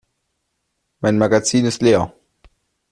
Mein Magazin ist leer.